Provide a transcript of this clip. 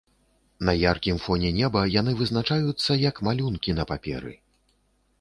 На яркім фоне неба яны вызначаюцца, як малюнкі на паперы.